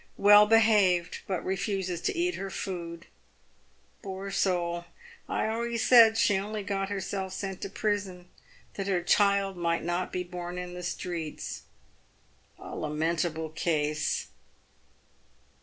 '"Well behaved, but re fuses to eat her food.' Poor soul ! I always said she only got her self sent to prison that her child might not be born in the streets. A lamentable case